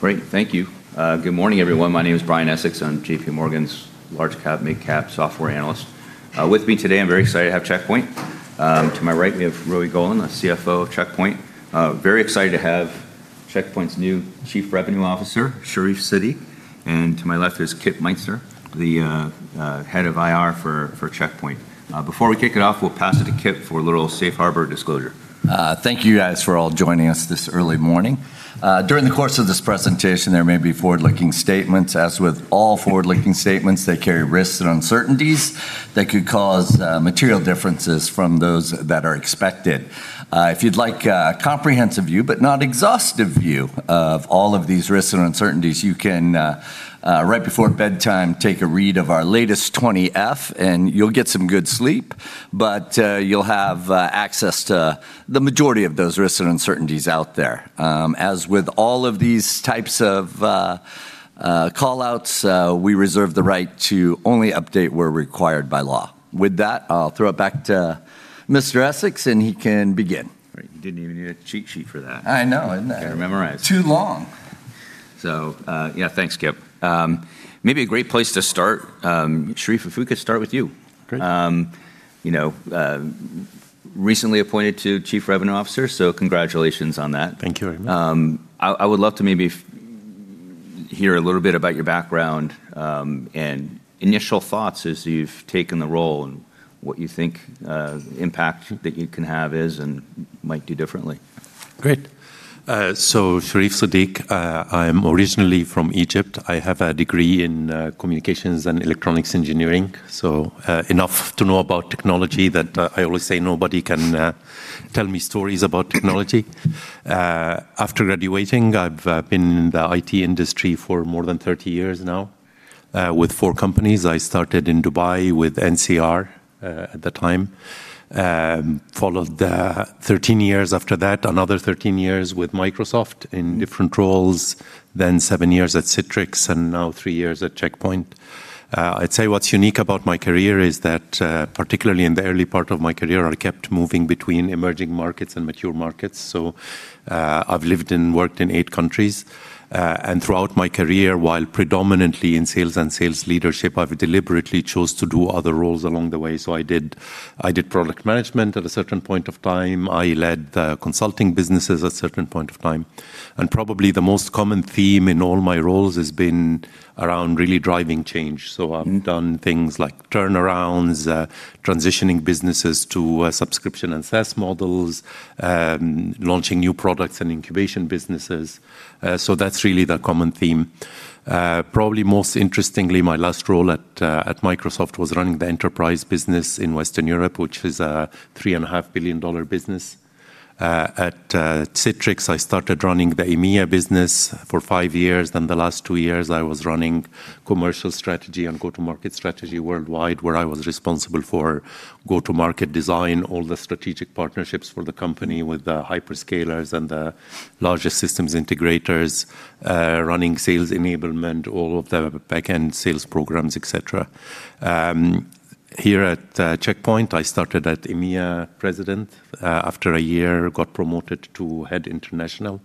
Great. Thank you. Good morning, everyone. My name is Brian Essex. I'm JPMorgan's large cap, mid cap software analyst. With me today, I'm very excited to have Check Point. To my right, we have Roei Golan, a CFO of Check Point. Very excited to have Check Point's new Chief Revenue Officer, Sherif Seddik. To my left is Kip Meintzer, the head of IR for Check Point. Before we kick it off, we'll pass it to Kip for a little safe harbor disclosure. Thank you guys for all joining us this early morning. During the course of this presentation, there may be forward-looking statements. As with all forward-looking statements, they carry risks and uncertainties that could cause material differences from those that are expected. If you'd like a comprehensive view, but not exhaustive view, of all of these risks and uncertainties, you can, right before bedtime, take a read of our latest 20-F, and you'll get some good sleep, but you'll have access to the majority of those risks and uncertainties out there. As with all of these types of call-outs, we reserve the right to only update where required by law. With that, I'll throw it back to Mr. Essex, and he can begin. Right. You didn't even need a cheat sheet for that. I know. You got it memorized. too long. Yeah, thanks, Kip. Maybe a great place to start, Sherif, if we could start with you. Great. You know, recently appointed to Chief Revenue Officer, so congratulations on that. Thank you very much. I would love to maybe hear a little bit about your background, and initial thoughts as you've taken the role, and what you think impact that you can have is and might do differently. Great. Sherif Seddik. I'm originally from Egypt. I have a degree in communications and electronics engineering, so enough to know about technology that I always say nobody can tell me stories about technology. After graduating, I've been in the IT industry for more than 30 years now, with four companies. I started in Dubai with NCR at the time. Followed the 13 years after that, another 13 years with Microsoft in different roles, then seven years at Citrix, and now three years at Check Point. I'd say what's unique about my career is that particularly in the early part of my career, I kept moving between emerging markets and mature markets. I've lived and worked in eight countries. Throughout my career, while predominantly in sales and sales leadership, I've deliberately chose to do other roles along the way. I did product management at a certain point of time. I led the consulting businesses at certain point of time. Probably the most common theme in all my roles has been around really driving change. I've done things like turnarounds, transitioning businesses to subscription and SaaS models, launching new products and incubation businesses. That's really the common theme. Probably most interestingly, my last role at Microsoft was running the enterprise business in Western Europe, which is a $3.5 billion business. At Citrix, I started running the EMEA business for five years. The last two years, I was running commercial strategy and go-to-market strategy worldwide, where I was responsible for go-to-market design, all the strategic partnerships for the company with the hyperscalers and the larger systems integrators, running sales enablement, all of the back-end sales programs, et cetera. Here at Check Point, I started at EMEA President. After a year, got promoted to Head International,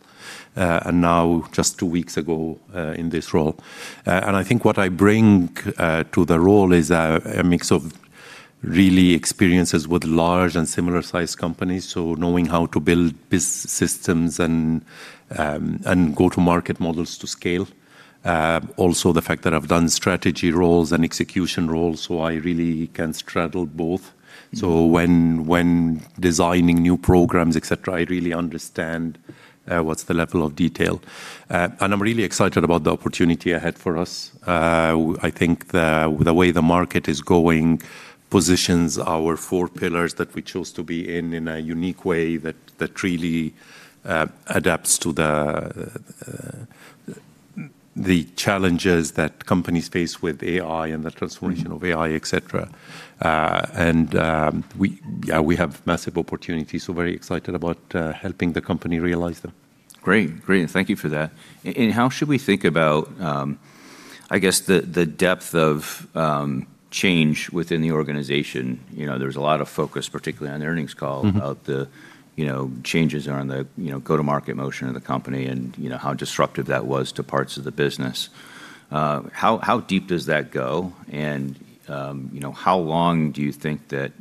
and now just two weeks ago, in this role. I think what I bring to the role is a mix of really experiences with large and similar-sized companies, so knowing how to build business systems and go-to-market models to scale. Also the fact that I've done strategy roles and execution roles, so I really can straddle both. When designing new programs, et cetera, I really understand what's the level of detail. I'm really excited about the opportunity ahead for us. I think the way the market is going positions our four pillars that we chose to be in in a unique way that really adapts to the challenges that companies face with AI and the transformation of AI, et cetera. We have massive opportunities, very excited about helping the company realize them. Great. Great, thank you for that. How should we think about, I guess the depth of, change within the organization? You know, there was a lot of focus, particularly on the earnings call about the, you know, changes around the, you know, go-to-market motion of the company and, you know, how disruptive that was to parts of the business. How deep does that go and, you know, how long do you think that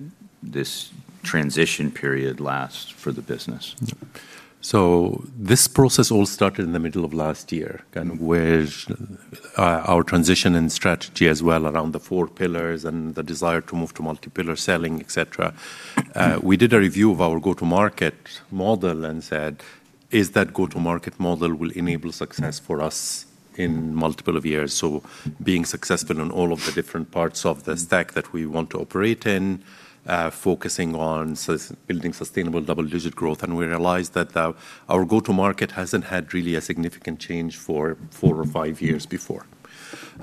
this transition period lasts for the business? This process all started in the middle of last year, kind of with our transition and strategy as well around the four pillars and the desire to move to multi-pillar selling, et cetera. We did a review of our go-to-market model and said, is that go-to-market model will enable success for us in multiple of years? Being successful in all of the different parts of the stack that we want to operate in, focusing on building sustainable double-digit growth, and we realized that our go-to-market hasn't had really a significant change for four or five years before.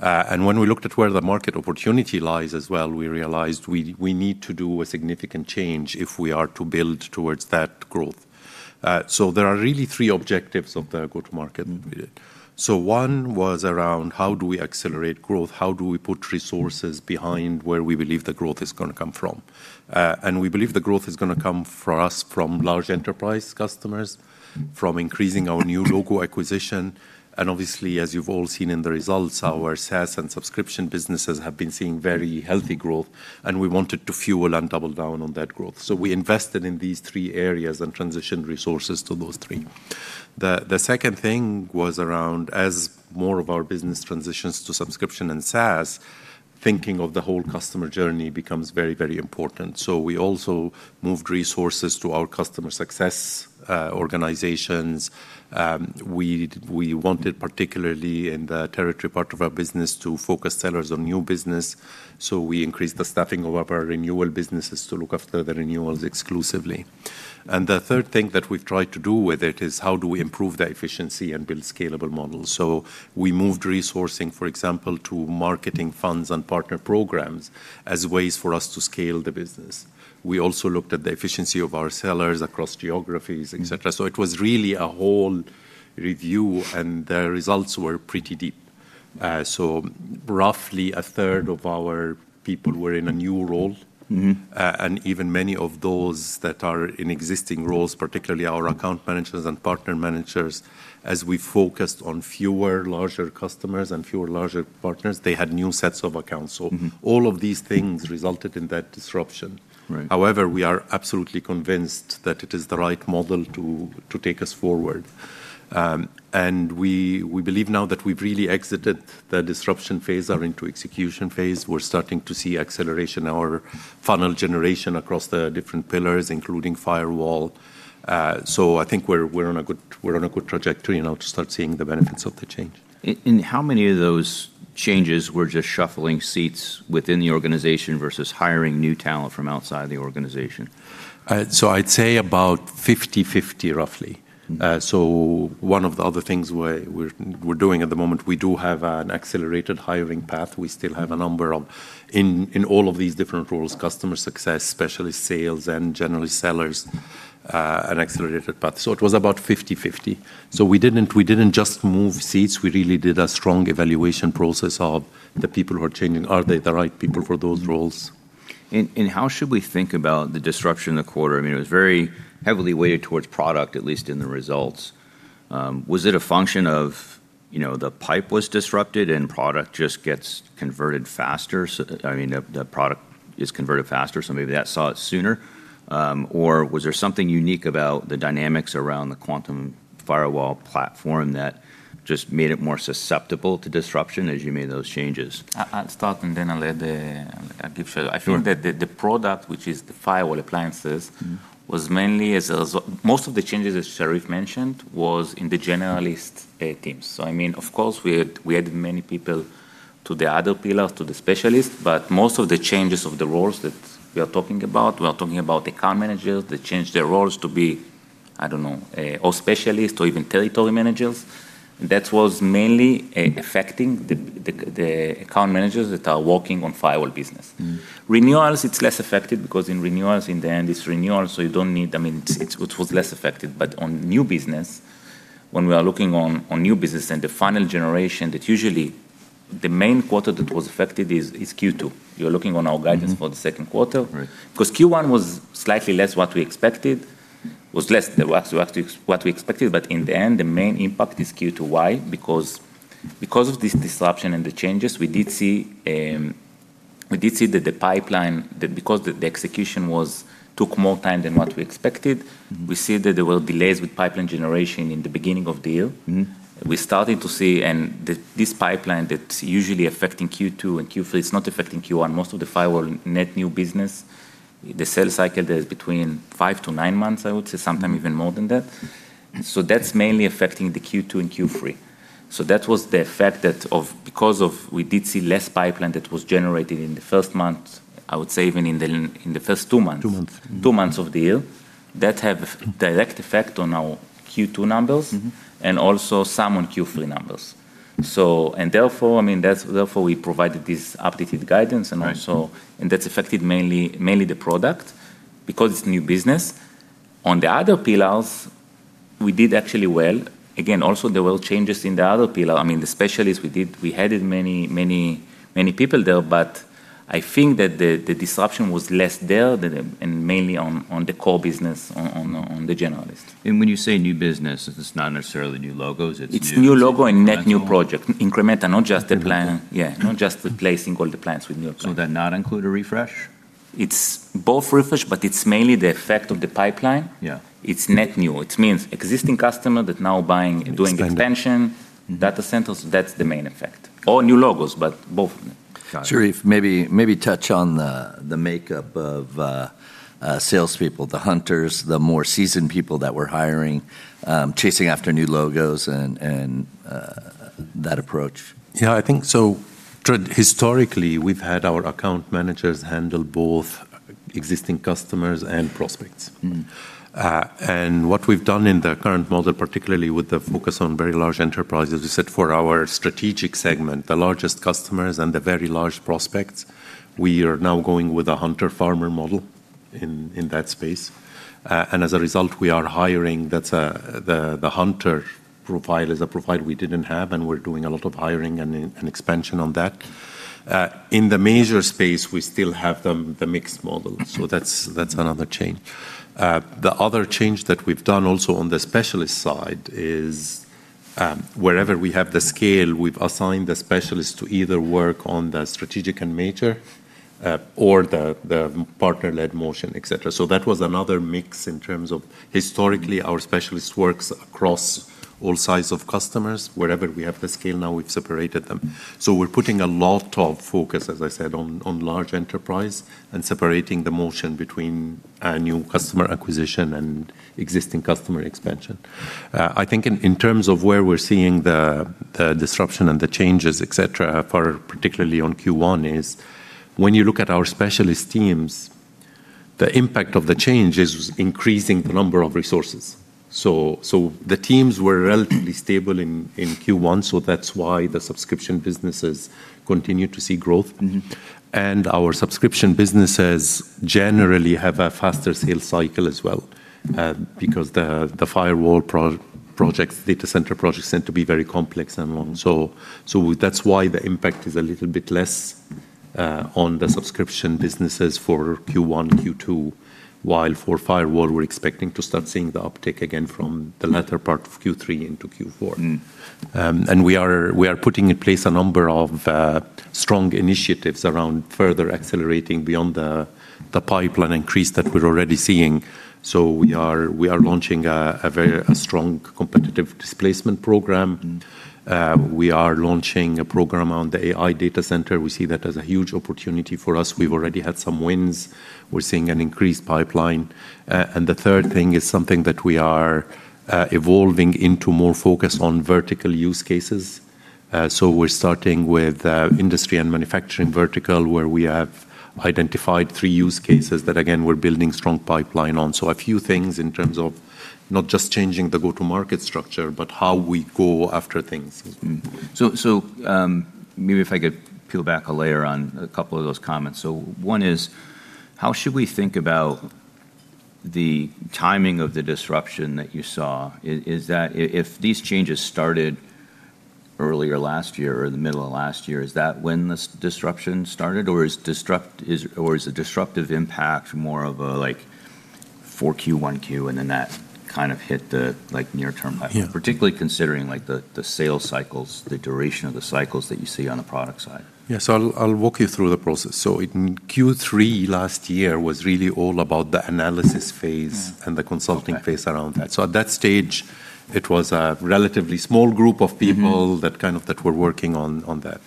And when we looked at where the market opportunity lies as well, we realized we need to do a significant change if we are to build towards that growth. There are really three objectives of the go-to-market. One was around how do we accelerate growth? How do we put resources behind where we believe the growth is gonna come from? And we believe the growth is gonna come for us from large enterprise customers, from increasing our new logo acquisition, and obviously, as you've all seen in the results, our SaaS and subscription businesses have been seeing very healthy growth, and we wanted to fuel and double down on that growth. We invested in these three areas and transitioned resources to those three. Second thing was around as more of our business transitions to subscription and SaaS, thinking of the whole customer journey becomes very, very important. We also moved resources to our customer success organizations. We wanted particularly in the territory part of our business to focus sellers on new business, so we increased the staffing of our renewal businesses to look after the renewals exclusively. The third thing that we've tried to do with it is how do we improve the efficiency and build scalable models? We moved resourcing, for example, to marketing funds and partner programs as ways for us to scale the business. We also looked at the efficiency of our sellers across geographies, et cetera. It was really a whole review, and the results were pretty deep. Roughly a third of our people were in a new role. Even many of those that are in existing roles, particularly our account managers and partner managers, as we focused on fewer larger customers and fewer larger partners, they had new sets of accounts. All of these things resulted in that disruption. Right. However, we are absolutely convinced that it is the right model to take us forward. We believe now that we've really exited the disruption phase and are into execution phase. We're starting to see acceleration in our funnel generation across the different pillars, including firewall. I think we're on a good trajectory now to start seeing the benefits of the change. How many of those changes were just shuffling seats within the organization versus hiring new talent from outside the organization? I'd say about 50/50 roughly. One of the other things we're doing at the moment, we do have an accelerated hiring path. We still have a number of, in all of these different roles, customer success, specialist sales, and generalist sellers, an accelerated path. It was about 50/50. We didn't just move seats. We really did a strong evaluation process of the people who are changing, are they the right people for those roles? How should we think about the disruption in the quarter? I mean, it was very heavily weighted towards product, at least in the results. Was it a function of, you know, the pipe was disrupted and product just gets converted faster? I mean, the product is converted faster, so maybe that saw it sooner. Or was there something unique about the dynamics around the Quantum Firewall platform that just made it more susceptible to disruption as you made those changes? I'll start and then I'll let the give Sherif. I think that the product, which is the firewall appliances. Most of the changes as Sherif mentioned was in the generalist teams. I mean of course we added many people to the other pillars, to the specialists, but most of the changes of the roles that we are talking about, we are talking about account managers that change their roles to be, I don't know, a specialist or even territory managers. That was mainly affecting the account managers that are working on firewall business. Renewals, it's less affected because in renewals in the end it's renewal, so you don't need I mean, it was less affected. On new business, when we are looking on new business and the final generation, that usually the main quarter that was affected is Q2. You're looking on our guidance for the second quarter. Right. 'Cause Q1 was slightly less what we expected. Was less than what we expected. In the end, the main impact is Q2. Why? Because of this disruption and the changes we did see, we did see that the pipeline, the execution took more time than what we expected. We see that there were delays with pipeline generation in the beginning of the year. We're starting to see, the, this pipeline that's usually affecting Q2 and Q3, it's not affecting Q1. Most of the firewall net new business, the sales cycle there is between five to nine months, I would say. Sometimes even more than that. That's mainly affecting the Q2 and Q3. That was the effect that of, because of we did see less pipeline that was generated in the first month, I would say even in the first two months. Two months. Mm-hmm. two months of the year. That have direct effect on our Q2 numbers. Also some on Q3 numbers. Therefore, I mean therefore we provided this updated guidance. Right That's affected mainly the product, because it's new business. On the other pillars we did actually well. Again, also there were changes in the other pillar. I mean, the specialists we did, we added many people there. I think that the disruption was less there than in mainly on the core business on the generalist. When you say new business, it's not necessarily new logos, it's. It's new logo and net new project. Incremental, not just the appliance. New appliance. Yeah, not just replacing old appliances with new appliances. Would that not include a refresh? It's both refresh, but it's mainly the effect of the pipeline. Yeah. It's net new. It means existing customer that now buying, doing expansion. Expand. Mm-hmm. Data centers, that's the main effect. New logos, but both of them. Got it. Sherif, maybe touch on the makeup of salespeople. The hunters, the more seasoned people that we're hiring, chasing after new logos and that approach. Yeah, I think so historically we've had our account managers handle both existing customers and prospects. What we've done in the current model, particularly with the focus on very large enterprises, we said for our strategic segment, the largest customers and the very large prospects, we are now going with a hunter-farmer model in that space. As a result we are hiring, the hunter profile is a profile we didn't have, and we're doing a lot of hiring and expansion on that. In the major space we still have the mixed model. That's another change. The other change that we've done also on the specialist side, wherever we have the scale, we've assigned the specialist to either work on the strategic and major, or the partner-led motion, et cetera. That was another mix in terms of historically our specialist works across all sides of customers. Wherever we have the scale now, we've separated them. We're putting a lot of focus, as I said, on large enterprise, and separating the motion between a new customer acquisition and existing customer expansion. I think in terms of where we're seeing the disruption and the changes, et cetera, for particularly on Q1, is when you look at our specialist teams, the impact of the change is increasing the number of resources. The teams were relatively stable in Q1, so that's why the subscription businesses continue to see growth. Our subscription businesses generally have a faster sales cycle as well, because the firewall projects, data center projects tend to be very complex and long. That's why the impact is a little bit less on the subscription businesses for Q1 and Q2, while for firewall we're expecting to start seeing the uptick again from the latter part of Q3 into Q4. We are putting in place a number of strong initiatives around further accelerating beyond the pipeline increase that we're already seeing. We are launching a very strong competitive displacement program. We are launching a program on the AI data center. We see that as a huge opportunity for us. We've already had some wins. We're seeing an increased pipeline. And the third thing is something that we are evolving into more focus on vertical use cases. We're starting with industry and manufacturing vertical, where we have identified three use cases that again, we're building strong pipeline on. A few things in terms of not just changing the go-to-market structure, but how we go after things. Maybe if I could peel back a layer on a couple of those comments. One is, how should we think about the timing of the disruption that you saw? Is that if these changes started earlier last year or in the middle of last year, is that when this disruption started, or is the disruptive impact more of a, like, 4Q, 1Q, and then that kind of hit the, like, near term level? Yeah. Particularly considering, like, the sales cycles, the duration of the cycles that you see on the product side. Yeah, I'll walk you through the process. In Q3 last year was really all about the analysis phase. The consulting phase around that. Okay. At that stage, it was a relatively small group of people that were working on that.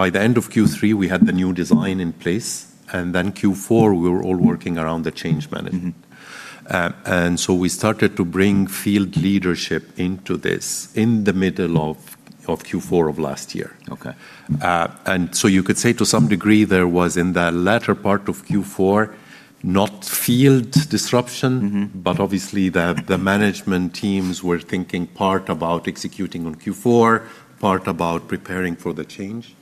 By the end of Q3, we had the new design in place, and then Q4 we were all working around the change management. We started to bring field leadership into this in the middle of Q4 of last year. Okay. You could say to some degree there was in the latter part of Q4, not field disruption. Obviously the management teams were thinking part about executing on Q4, part about preparing for the change.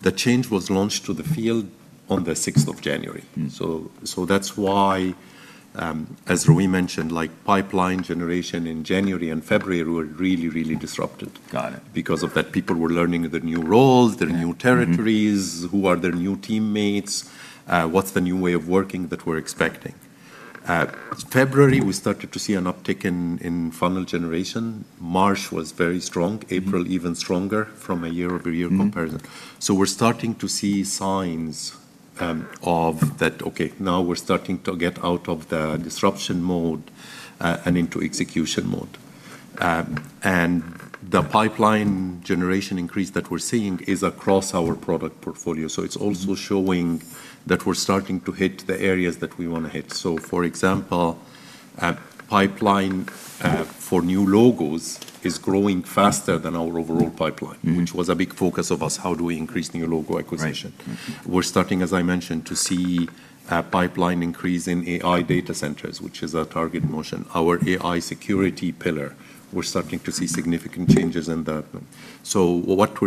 The change was launched to the field on the January 6th. That's why, as Roei mentioned, like pipeline generation in January and February were really disrupted. Got it. People were learning the new roles, their new territories. Who are their new teammates, what's the new way of working that we're expecting. February we started to see an uptick in funnel generation. March was very strong. April even stronger from a year-over-year comparison. We're starting to see signs, of that, okay, now we're starting to get out of the disruption mode, and into execution mode. The pipeline generation increase that we're seeing is across our product portfolio. It's also showing that we're starting to hit the areas that we wanna hit. For example, pipeline for new logos is growing faster than our overall pipeline. Which was a big focus of us, how do we increase new logo acquisition? Right. Mm-hmm. We're starting, as I mentioned, to see a pipeline increase in AI data centers, which is our target motion, our AI security pillar. What we're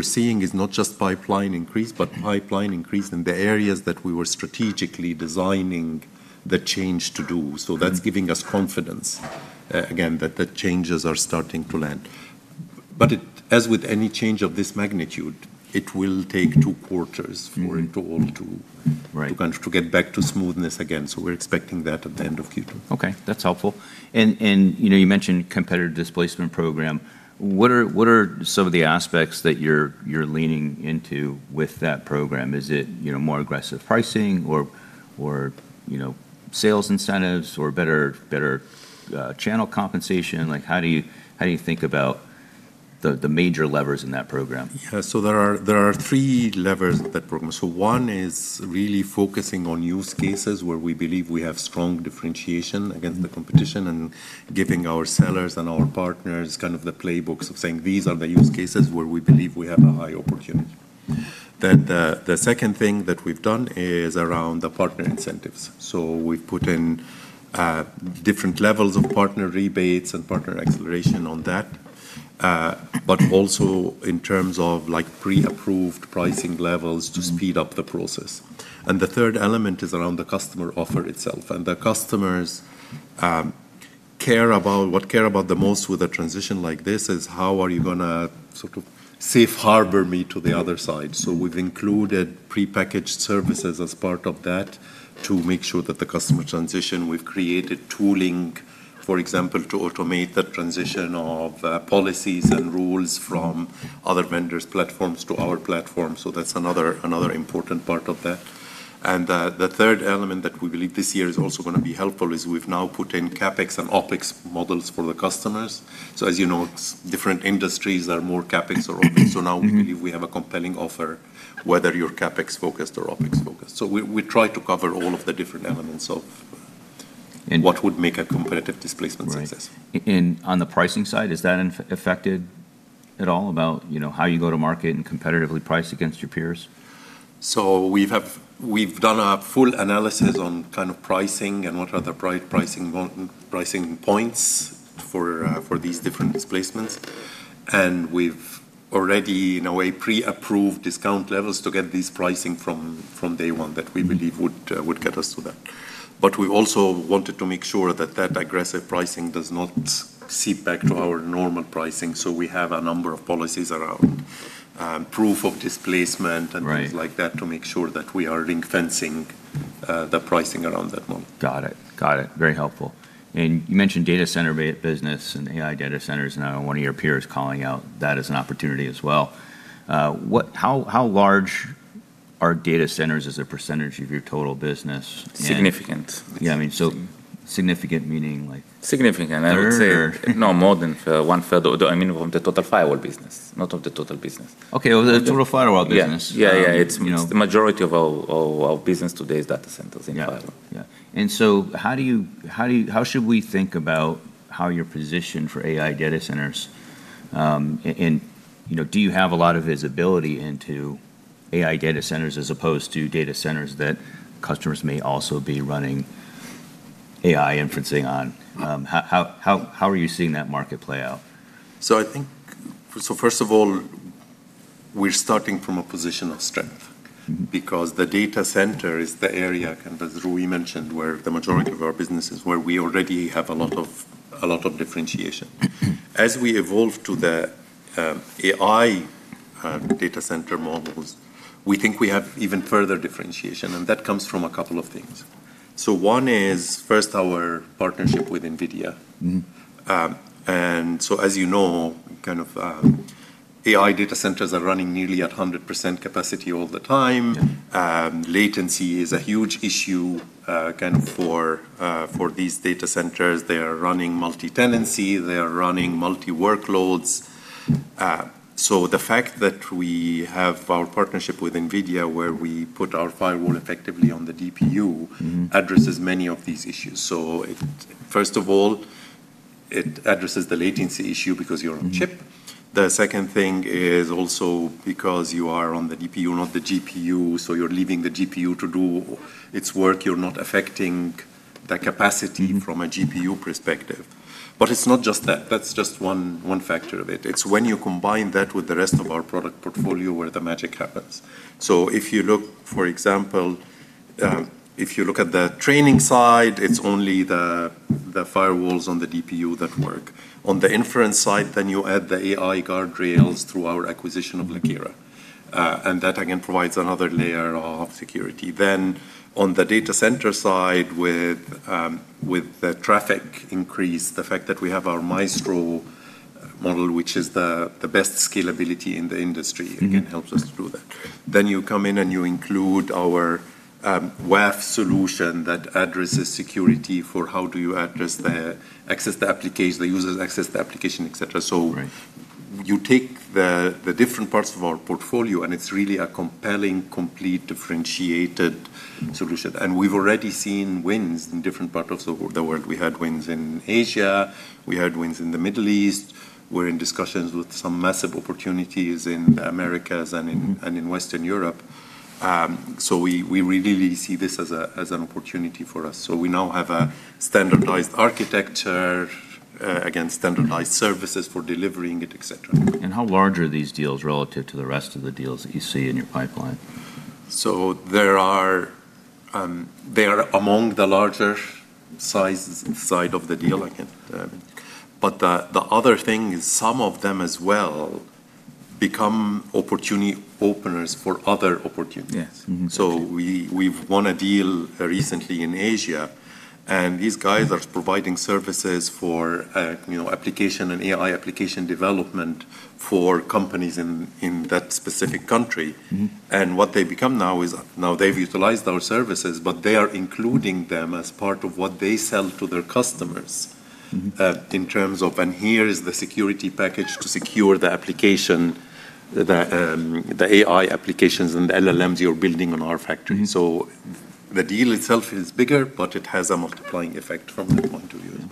seeing is not just pipeline increase, but pipeline increase in the areas that we were strategically designing the change to do. That's giving us confidence, again, that the changes are starting to land. As with any change of this magnitude, it will take two quarters for it all to- Right to kind of, to get back to smoothness again. We're expecting that at the end of Q2. Okay, that's helpful. You know, you mentioned competitor displacement program. What are some of the aspects that you're leaning into with that program? Is it, you know, more aggressive pricing or, you know, sales incentives or better channel compensation? How do you think about the major levers in that program? There are three levers in that program. One is really focusing on use cases where we believe we have strong differentiation against the competition, and giving our sellers and our partners kind of the playbooks of saying, "These are the use cases where we believe we have a high opportunity." The second thing that we've done is around the partner incentives. We've put in different levels of partner rebates and partner acceleration on that, but also in terms of, like, pre-approved pricing levels to speed up the process. The third element is around the customer offer itself. The customers care about the most with a transition like this is how are you gonna sort of safe harbor me to the other side? We've included prepackaged services as part of that to make sure that the customer transition, we've created tooling, for example, to automate the transition of policies and rules from other vendors' platforms to our platform. That's another important part of that. The third element that we believe this year is also gonna be helpful is we've now put in CapEx and OpEx models for the customers. As you know, different industries are more CapEx or OpEx. Now we believe we have a compelling offer whether you're CapEx focused or OpEx focused. We try to cover all of the different elements. And what would make a competitive displacement success? Right. On the pricing side, is that affected at all about, you know, how you go to market and competitively price against your peers? We've done a full analysis on kind of pricing and what are the pricing points for these different displacements. We've already, in a way, pre-approved discount levels to get this pricing from day one that we believe would get us to that. We also wanted to make sure that that aggressive pricing does not seep back to our normal pricing, so we have a number of policies around proof of displacement. Right things like that to make sure that we are ring-fencing, the pricing around that model. Got it. Got it. Very helpful. You mentioned data center business and AI data centers, and I know one of your peers calling out that as an opportunity as well. How large are data centers as a percentage of your total business? Significant. Yeah, I mean, so significant meaning, like. Significant. a third or No, more than a one-third. I mean from the total firewall business, not of the total business. Okay. Well, the total firewall business. Yeah. Yeah, yeah um, you know- It's the majority of our business today is data centers in firewall. Yeah, yeah. How do you how should we think about how you're positioned for AI data centers? And, you know, do you have a lot of visibility into AI data centers as opposed to data centers that customers may also be running AI inferencing on? How are you seeing that market play out? I think So first of all, we're starting from a position of strength because the data center is the area, and as Roei mentioned, where the majority of our business is, where we already have a lot of differentiation. As we evolve to the AI data center models, we think we have even further differentiation, and that comes from a couple of things. One is, first, our partnership with NVIDIA. As you know, AI data centers are running nearly at 100% capacity all the time. Yeah. Latency is a huge issue for these data centers. They are running multi-tenancy. They are running multi workloads. The fact that we have our partnership with NVIDIA, where we put our firewall effectively on the DPU addresses many of these issues. It first of all, it addresses the latency issue because you're on chip. The second thing is also because you are on the DPU, not the GPU, you're leaving the GPU to do its work. You're not affecting the capacity from a GPU perspective. It's not just that. That's just one factor of it. It's when you combine that with the rest of our product portfolio where the magic happens. If you look, for example, if you look at the training side, it's only the firewalls on the DPU that work. On the inference side, you add the AI guardrails through our acquisition of Lakera. That again provides another layer of security. On the data center side with the traffic increase, the fact that we have our Maestro model, which is the best scalability in the industry again, helps us through that. You come in and you include our WAF solution that addresses security for how do you address the access to the user's access to application, et cetera. Right. You take the different parts of our portfolio, and it's really a compelling, complete, differentiated solution. We've already seen wins in different parts of the world. We had wins in Asia. We had wins in the Middle East. We're in discussions with some massive opportunities in Americas. In Western Europe. We really see this as an opportunity for us. We now have a standardized architecture, again, standardized services for delivering it, et cetera. How large are these deals relative to the rest of the deals that you see in your pipeline? There are, they are among the larger sizes inside of the deal again. The other thing is some of them as well become opportunity openers for other opportunities. Yes. Mm-hmm. We've won a deal recently in Asia, and these guys are providing services for, you know, application and AI application development for companies in that specific country. What they've become now is now they've utilized our services, but they are including them as part of what they sell to their customers. Here is the security package to secure the application, the AI applications and the LLMs you're building on our factory. The deal itself is bigger, but it has a multiplying effect from that point of view as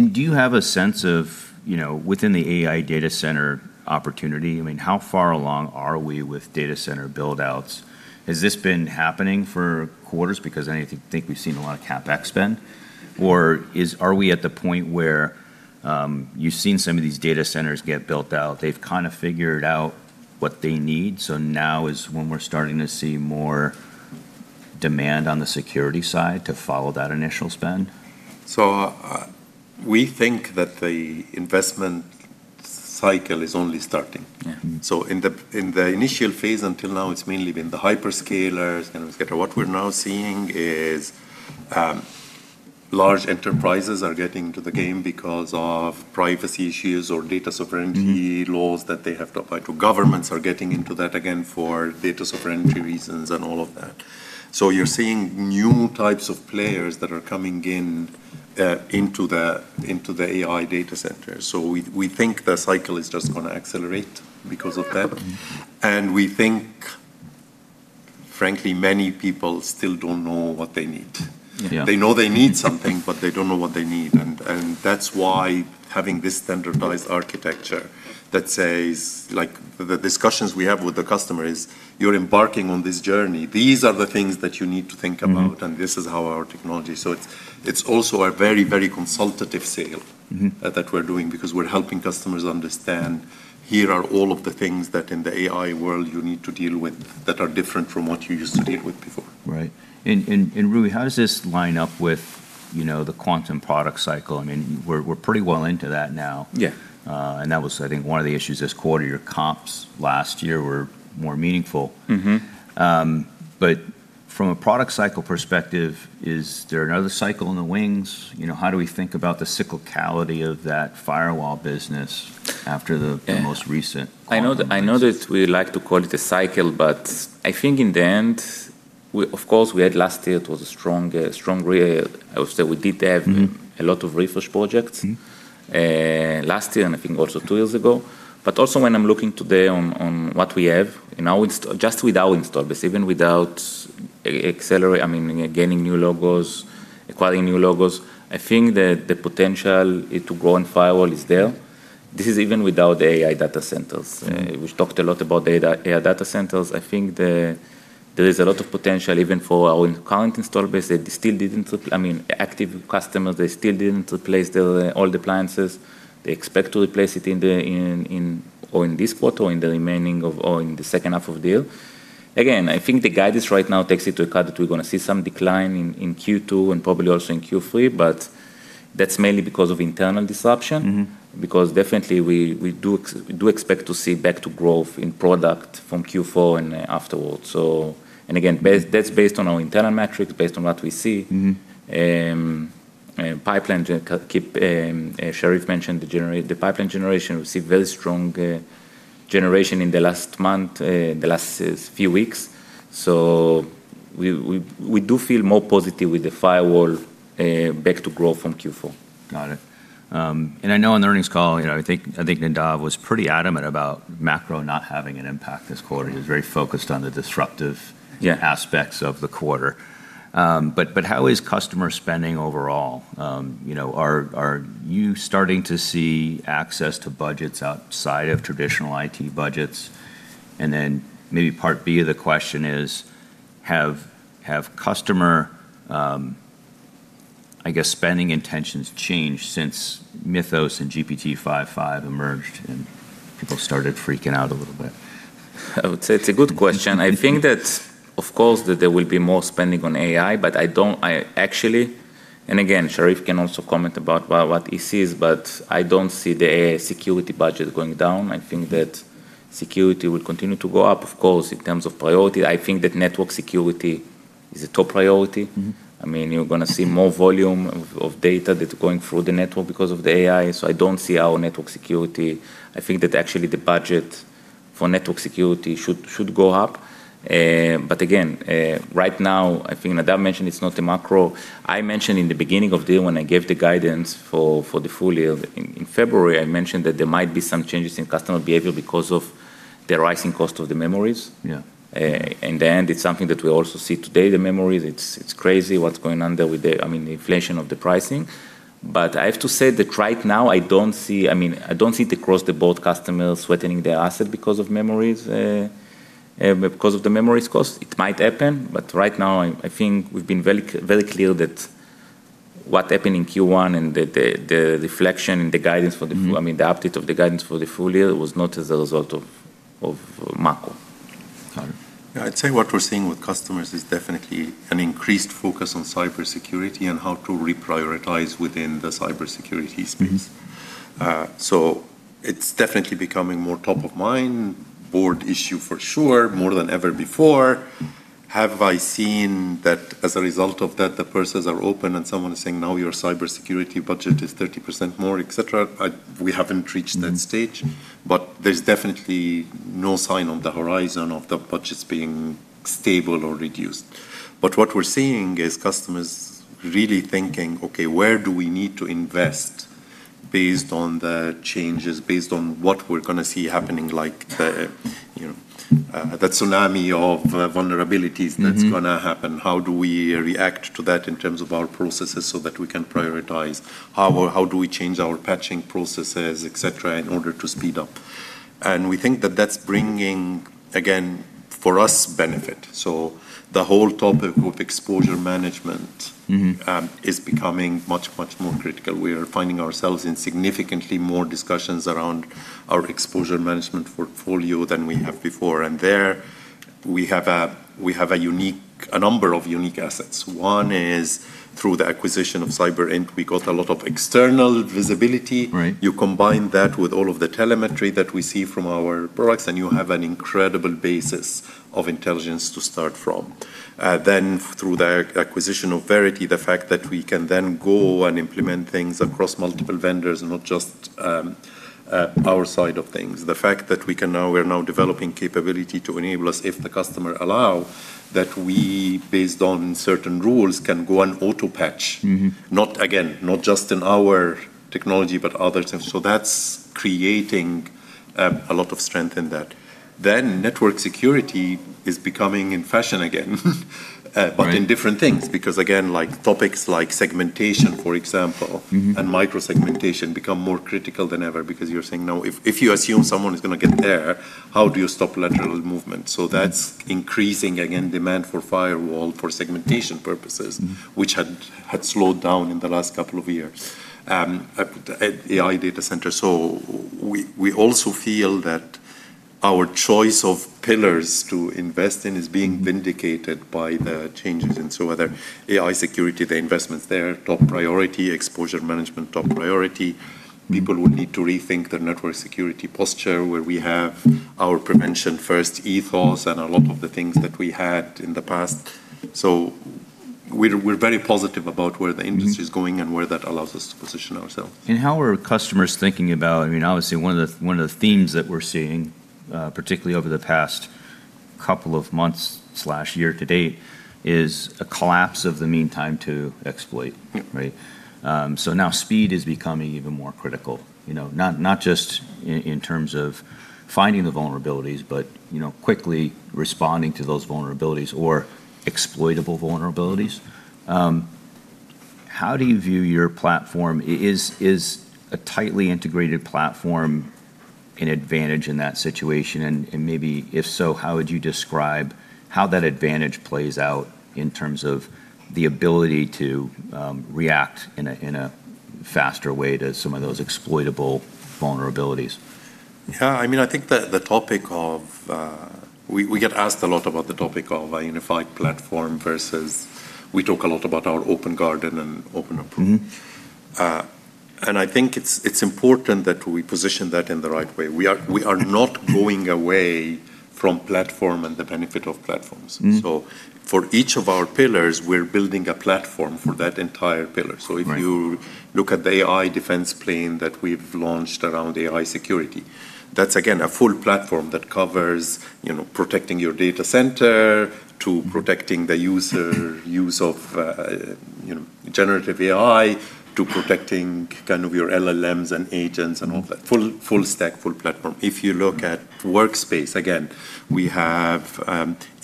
well. Do you have a sense of, you know, within the AI data center opportunity, I mean, how far along are we with data center build-outs? Has this been happening for quarters? I think we've seen a lot of CapEx spend. Are we at the point where you've seen some of these data centers get built out, they've kind of figured out what they need, so now is when we're starting to see more demand on the security side to follow that initial spend? We think that the investment cycle is only starting. Yeah. In the, in the initial phase until now, it's mainly been the hyperscalers, and et cetera. What we're now seeing is, large enterprises are getting to the game because of privacy issues or data sovereignty laws that they have to apply to. Governments are getting into that again for data sovereignty reasons and all of that. You're seeing new types of players that are coming in into the AI data center. We, we think the cycle is just gonna accelerate because of that. We think, frankly, many people still don't know what they need. Yeah. They know they need something, but they don't know what they need and that's why having this standardized architecture that says, like the discussions we have with the customer is, "You're embarking on this journey. These are the things that you need to think about. This is how our technology. It's also a very, very consultative sale. That we're doing because we're helping customers understand, here are all of the things that in the AI world you need to deal with that are different from what you used to deal with before. Right. Roei Golan, how does this line up with, you know, the Quantum product cycle? I mean, we're pretty well into that now. Yeah. That was, I think, one of the issues this quarter, your comps last year were more meaningful. From a product cycle perspective, is there another cycle in the wings? You know, how do we think about the cyclicality of that firewall business. Yeah the most recent I know that we like to call it a cycle, I think in the end, we, of course, we had last year it was a strong year. I would say we did have a lot of refresh projects. last year and I think also two years ago. When I'm looking today on what we have just with our install base, even without accelerate, I mean, gaining new logos, acquiring new logos. I think the potential it to grow in firewall is there. This is even without AI data centers. We've talked a lot about data, AI data centers. I think there is a lot of potential even for our current install base. They still didn't replace, I mean, active customers, they still didn't replace their old appliances. They expect to replace it in this quarter or in the remaining of the second half of the year. Again, I think the guidance right now takes into account that we're gonna see some decline in Q2 and probably also in Q3, but that's mainly because of internal disruption. Definitely we do expect to see back to growth in product from Q4 and afterwards. And again, that's based on our internal metrics, based on what we see. As Sherif mentioned, the pipeline generation, we see very strong generation in the last month, the last few weeks. We do feel more positive with the firewall back to growth from Q4. Got it. I know on the earnings call, you know, I think Nadav was pretty adamant about macro not having an impact this quarter. He was very focused on the disruptive-. Yeah aspects of the quarter. How is customer spending overall? You know, are you starting to see access to budgets outside of traditional IT budgets? Maybe part B of the question is, have customer I guess spending intentions changed since Mythos and GPT-5.5 emerged and people started freaking out a little bit? I would say it's a good question. I think that, of course, that there will be more spending on AI, but I actually, and again, Sherif can also comment about what he sees, but I don't see the AI security budget going down. I think that security will continue to go up, of course, in terms of priority. I think that network security is a top priority. I mean, you're gonna see more volume of data that's going through the network because of the AI. I don't see our network security. I think that actually the budget for network security should go up. Again, right now, I think Nadav mentioned it's not a macro. I mentioned in the beginning of the year when I gave the guidance for the full year in February, I mentioned that there might be some changes in customer behavior because of the rising cost of the memories. Yeah. In the end, it's something that we also see today, the memories. It's crazy what's going on there with the, I mean, the inflation of the pricing. I have to say that right now I don't see, I mean, I don't see it across the board customers sweating their asset because of memories, because of the memories cost. It might happen, but right now I think we've been very clear that what happened in Q1 and the, the reflection and the guidance for the- I mean, the update of the guidance for the full year was not as a result of macro. Got it. Yeah, I'd say what we're seeing with customers is definitely an increased focus on cybersecurity and how to reprioritize within the cybersecurity space. It's definitely becoming more top of mind, board issue for sure, more than ever before. Have I seen that as a result of that, the purses are open and someone is saying, 'Now your cybersecurity budget is 30% more,' et cetera? We haven't reached that stage. There's definitely no sign on the horizon of the budgets being stable or reduced. What we're seeing is customers really thinking, "Okay, where do we need to invest based on the changes, based on what we're gonna see happening, like the, you know, that tsunami of vulnerabilities. that's gonna happen. How do we react to that in terms of our processes so that we can prioritize? How or how do we change our patching processes, et cetera, in order to speed up? We think that that's bringing, again, for us, benefit. The whole topic of exposure management is becoming much, much more critical. We are finding ourselves in significantly more discussions around our exposure management portfolio than we have before. We have a number of unique assets. One is through the acquisition of Cyberint, we got a lot of external visibility. Right. You combine that with all of the telemetry that we see from our products, and you have an incredible basis of intelligence to start from. Through the acquisition of Veriti, the fact that we can then go and implement things across multiple vendors and not just our side of things. The fact that we are now developing capability to enable us, if the customer allow, that we, based on certain rules, can go and auto patch. Not, again, not just in our technology, but others. That's creating a lot of strength in that. Network security is becoming in fashion again. Right. In different things, because again, like, topics like segmentation, for example. Micro-segmentation become more critical than ever because you're saying, now, if you assume someone is gonna get there, how do you stop lateral movement? That's increasing, again, demand for firewall for segmentation purposes. which had slowed down in the last couple of years at AI data center. We also feel that our choice of pillars to invest in is being vindicated by the changes. Whether AI security, the investments there, top priority, exposure management, top priority. People will need to rethink the network security posture where we have our prevention first ethos and a lot of the things that we had in the past. We're very positive about where the industry is going and where that allows us to position ourselves. How are customers thinking about, I mean, obviously one of the themes that we're seeing, particularly over the past couple of months/year to date, is a collapse of the mean time to exploit. Yep. Right? Now speed is becoming even more critical. You know, not just in terms of finding the vulnerabilities, but, you know, quickly responding to those vulnerabilities or exploitable vulnerabilities. How do you view your platform? Is a tightly integrated platform an advantage in that situation? Maybe if so, how would you describe how that advantage plays out in terms of the ability to react in a faster way to some of those exploitable vulnerabilities? Yeah, I mean, We get asked a lot about the topic of a unified platform versus we talk a lot about our open garden and open approach. I think it's important that we position that in the right way. We are not going away from platform and the benefit of platforms. For each of our pillars, we're building a platform for that entire pillar. Right. If you look at the AI Defense Plane that we've launched around AI security, that's, again, a full platform that covers, you know, protecting your data center, to protecting the user use of, you know, generative AI, to protecting kind of your LLMs and agents and all that. Full stack, full platform. If you look at workspace, again, we have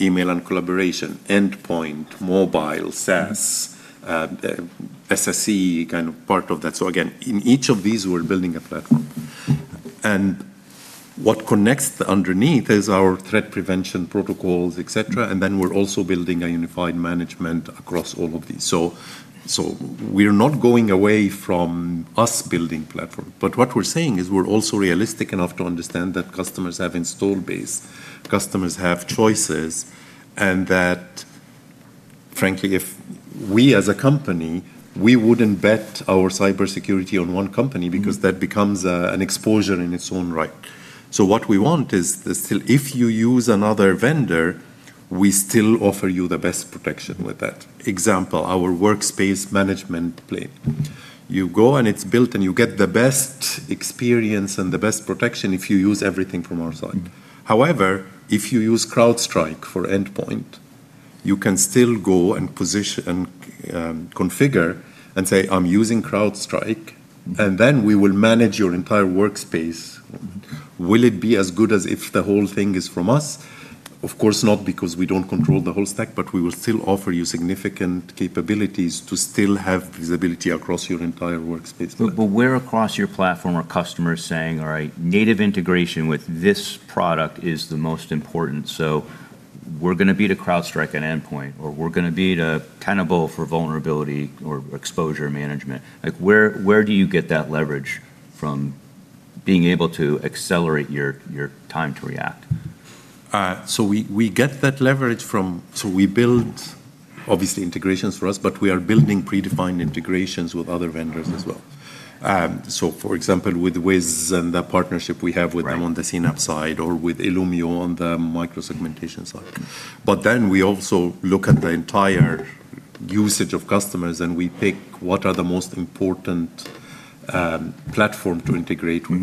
email and collaboration, endpoint, mobile, SaaS. SSE kind of part of that. Again, in each of these, we're building a platform. What connects underneath is our threat prevention protocols, et cetera, and then we're also building a unified management across all of these. We're not going away from us building platform, but what we're saying is we're also realistic enough to understand that customers have install base, customers have choices, and that frankly, if we as a company, we wouldn't bet our cybersecurity on one company because that becomes an exposure in its own right. What we want is still if you use another vendor, we still offer you the best protection with that. Example, our workspace management plane. You go and it's built, and you get the best experience and the best protection if you use everything from our side. If you use CrowdStrike for endpoint, you can still go and position, configure and say, "I'm using CrowdStrike. We will manage your entire workspace. Will it be as good as if the whole thing is from us? Of course not, because we don't control the whole stack, but we will still offer you significant capabilities to still have visibility across your entire workspace platform. Where across your platform are customers saying, "All right, native integration with this product is the most important, so we're gonna beat a CrowdStrike at endpoint," or, "We're gonna beat a Tenable for vulnerability or exposure management"? Like, where do you get that leverage from being able to accelerate your time to react? We build, obviously, integrations for us, but we are building predefined integrations with other vendors as well. For example, with Wiz and the partnership we have with them- Right on the CNAPP side, or with Illumio on the micro-segmentation side. We also look at the entire usage of customers, and we pick what are the most important platform to integrate with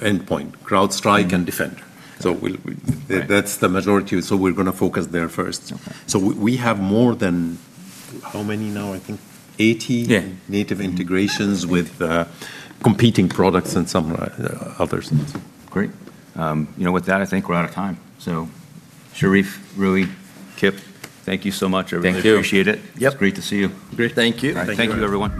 endpoint, CrowdStrike and Defender. So we'll, we- Right That's the majority. We're gonna focus there first. Okay. We have more than, how many now? I think 80. Yeah native integrations with competing products and some others. Great. you know, with that, I think we're out of time. Sherif, Roei Golan, Kip Meintzer, thank you so much. I really appreciate it. Thank you. It's great to see you. Great. Thank you. Thank you, everyone.